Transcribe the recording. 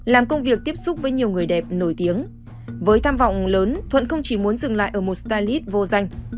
làm công việc tiếp xúc với nhiều người đẹp nổi tiếng với tham vọng lớn thuận không chỉ muốn dừng lại ở một starlis vô danh